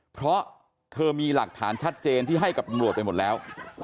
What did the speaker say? เพราะเธอมีหลักฐานชัดเจนที่ให้กับตำรวจไปหมดแล้ว